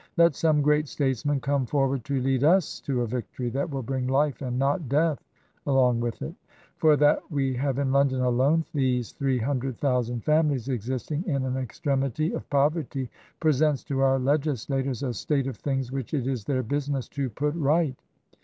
Let some great statesman come forward to lead us to a victory that will bring life and not death along with it. For that we have in London alone these three hundred thousand families existing in an extremity of poverty presents to our legislators a state of things which it is their business to put right.